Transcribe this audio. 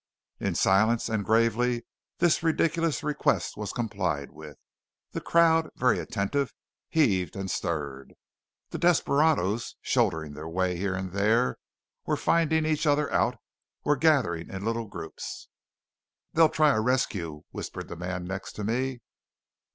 In silence and gravely this ridiculous request was complied with. The crowd, very attentive, heaved and stirred. The desperadoes, shouldering their way here and there, were finding each other out, were gathering in little groups. "They'll try a rescue!" whispered the man next to me.